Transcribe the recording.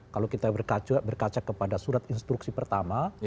kalau kita berkaca kepada surat instruksi pertama